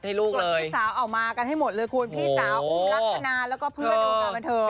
พี่สาวเอามากันให้หมดเลยคุณพี่สาวอุ้มลักษณะแล้วก็เพื่อนในวงการบันเทิง